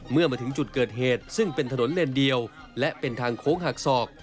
เมื่อมาถึงจุดเกิดเหตุซึ่งเป็นถนนเลนเดียวและเป็นทางโค้งหักศอก